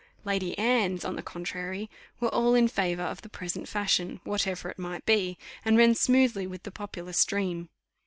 Lady Anne's, on the contrary, were all in favour of the present fashion, whatever it might be, and ran smoothly with the popular stream.